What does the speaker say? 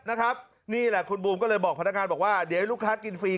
นี่แหละคุณบูมก็เลยบอกพนักงานบอกว่าเดี๋ยวให้ลูกค้ากินฟรี